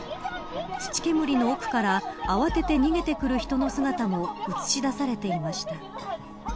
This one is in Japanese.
土煙の奥から慌てて逃げてくる人の姿も映し出されていました。